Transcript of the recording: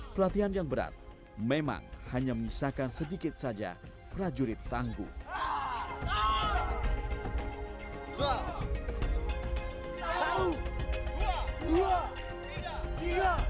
pelatihan yang berat memang hanya menyisakan sedikit saja prajurit tanggung